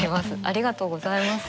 ありがとうございます。